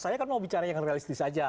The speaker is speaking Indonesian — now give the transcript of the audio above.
saya kan mau bicara yang realistis saja